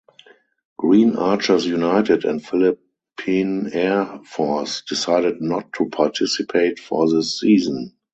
Green Archers United and Philippine Air Force decided not to participate for this season.